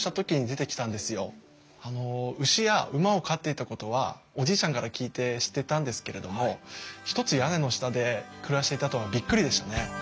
あの牛や馬を飼っていたことはおじいちゃんから聞いて知ってたんですけれどもひとつ屋根の下で暮らしていたとはびっくりでしたね。